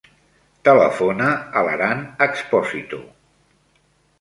Telefona a l'Aran Exposito.